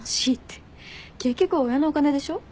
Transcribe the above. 結局親のお金でしょ？